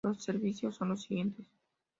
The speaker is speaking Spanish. Los servicios son los siguientes;